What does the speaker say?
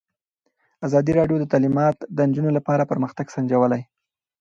ازادي راډیو د تعلیمات د نجونو لپاره پرمختګ سنجولی.